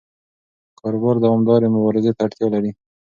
کاروبار دوامدارې مبارزې ته اړتیا لري.